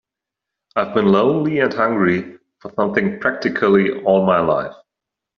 I've been lonely and hungry for something practically all my life.